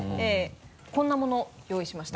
こんなもの用意しました。